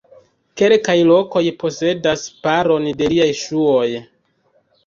Kelkaj lokoj posedas paron de liaj ŝuoj.